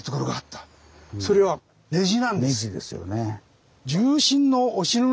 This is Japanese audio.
ネジですよね。